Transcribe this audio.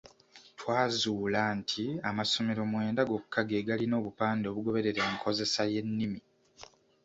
Twazula nti amasomero mwenda gokka ge galina obupande obugoberera enkozesa y’ennimi.